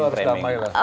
gak gampang deh